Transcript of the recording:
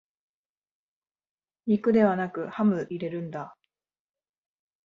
肉ではなくハム入れるんだ